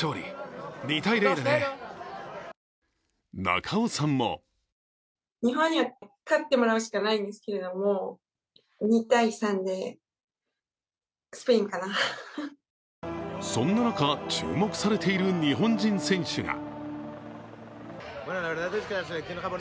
中尾さんもそんな中注目されている日本人選手が。